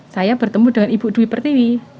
saya bertemu dengan ibu dwi pertiwi